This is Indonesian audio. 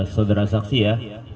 saudara saksi ya